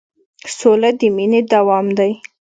سوله د مینې دوام دی.